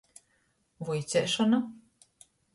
Vuiceišona.